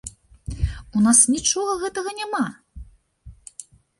У нас нічога гэтага няма!